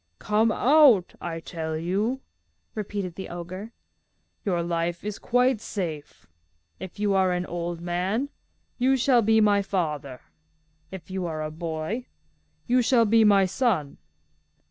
'Come out, I tell you,' repeated the ogre. 'Your life is quite safe. If you are an old man, you shall be my father. If you are a boy, you shall be my son.